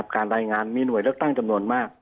การรายงานมีหน่วยเลือกตั้งจำนวนมาก